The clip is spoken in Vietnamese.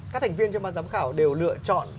các thành viên trong ban giám khảo đều lựa chọn